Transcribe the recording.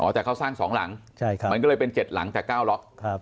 แต่เขาสร้าง๒หลังมันก็เลยเป็น๗หลังจาก๙ล็อก